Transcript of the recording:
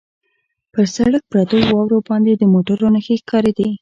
پر سړک پرتو واورو باندې د موټرو نښې ښکارېدې.